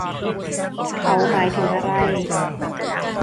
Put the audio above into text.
เขาหมายถึงอะไร